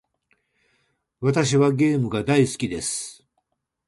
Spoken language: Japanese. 私はゲームが大好きです。